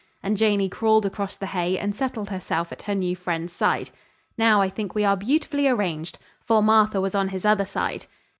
and Janey crawled across the hay and settled herself at her new friend's side. "Now I think we are beautifully arranged," for Martha was on his other side.